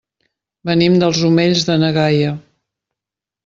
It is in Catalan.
Venim dels Omells de na Gaia.